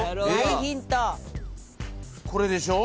これでしょ？